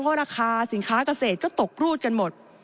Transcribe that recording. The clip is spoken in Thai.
เพราะราคาสินค้าเกษตรก็ตกรูดกันหมด